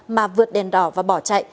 mà vượt đèn đỏ và bỏ chạy